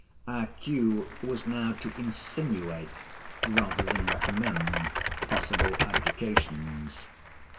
Our cue was now to insinuate, rather than recommend, possible abdications.